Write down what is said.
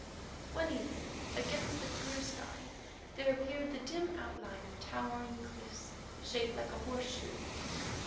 One evening against the clear sky there appeared the dim outline of towering cliffs, shaped like a horseshoe.